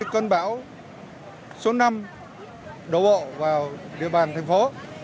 cơn bão số năm đổ bộ vào địa bàn thành phố